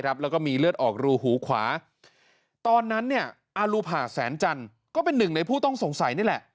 แล้วก็มีเลือดออกรูหูขวาตอนนั้นอารูผ่าแสนจันทร์ก็เป็นหนึ่งในผู้ต้องสงสัยนี่แหละ